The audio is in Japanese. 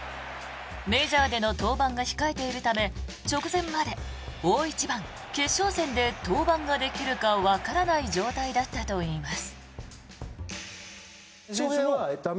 メジャーでの登板が控えているため、直前まで大一番、決勝戦で登板ができるかわからない状態だったといいます。